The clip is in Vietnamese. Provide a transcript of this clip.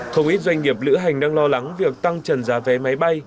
không ít doanh nghiệp lữ hành đang lo lắng việc tăng trần giá vé máy bay